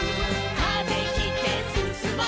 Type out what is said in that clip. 「風切ってすすもう」